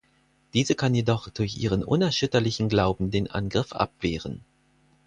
Diese kann jedoch durch ihren unerschütterlichen Glauben den Angriff abwehren.